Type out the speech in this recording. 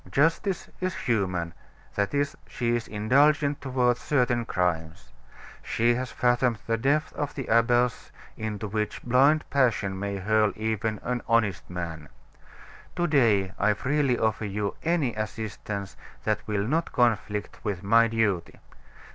Justice is human; that is, she is indulgent toward certain crimes. She has fathomed the depth of the abyss into which blind passion may hurl even an honest man. To day I freely offer you any assistance that will not conflict with my duty.